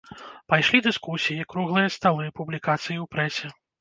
Пайшлі дыскусіі, круглыя сталы, публікацыі ў прэсе.